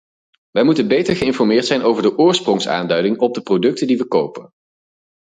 Wij moeten beter geïnformeerd zijn over de oorsprongsaanduiding op de producten die we kopen.